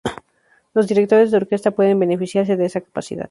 Los directores de orquesta pueden beneficiarse de esa capacidad.